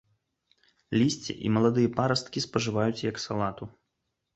Лісце і маладыя парасткі спажываюць як салату.